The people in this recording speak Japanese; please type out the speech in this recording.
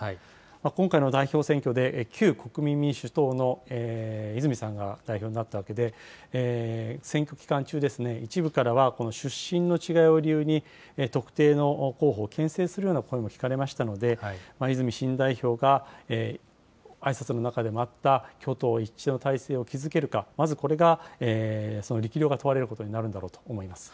今回の代表選挙で、旧国民民主党の泉さんが代表になったわけで、選挙期間中、一部からは出身の違いを理由に、特定の候補をけん制するような声も聞かれましたので、泉新代表があいさつの中でもあった、挙党一致の体制を築けるか、まずこれがその力量が問われることになるんだろうと思います。